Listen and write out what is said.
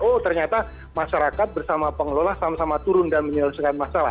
oh ternyata masyarakat bersama pengelola sama sama turun dan menyelesaikan masalah